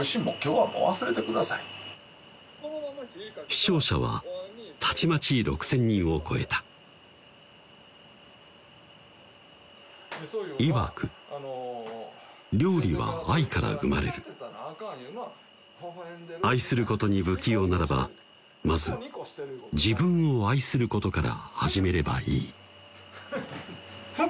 視聴者はたちまち６０００人を超えたいわく料理は愛から生まれる愛することに不器用ならばまず自分を愛することから始めればいいフ